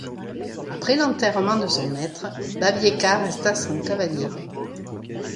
Après l'enterrement de son maître, Babieca resta sans cavalier.